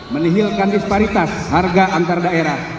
menihilkan disparitas harga antardaerah